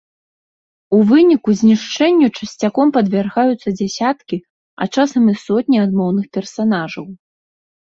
У выніку знішчэнню часцяком падвяргаюцца дзясяткі, а часам і сотні адмоўных персанажаў.